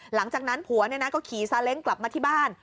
หลังจากนั้นผัวก็ขี่ซาเล้งกลับมาที่บ้าน